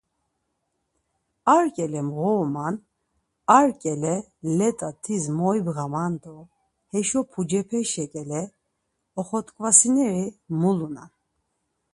Ar ǩele mğoruman ar ǩele let̆a tis moibğaman do heşo pucepeşe ǩele oxot̆ǩvatsineri mulunan.